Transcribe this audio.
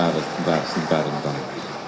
bentar bentar bentar